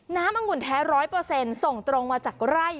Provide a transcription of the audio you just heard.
อังุ่นแท้๑๐๐ส่งตรงมาจากไร่